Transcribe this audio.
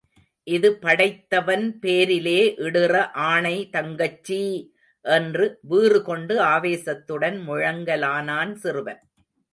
இது படைத்தவன் பேரிலே இடுற ஆணை, தங்கச்சி! என்று வீறு கொண்டு ஆவேசத்துடன் முழங்கலானான் சிறுவன்.